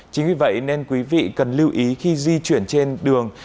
chính vì vậy nên quý vị cần lưu ý khi di chuyển trên đường